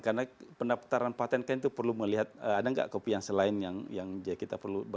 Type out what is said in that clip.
karena pendapatan patent kan itu perlu melihat ada tidak kopi yang selain yang kita perlu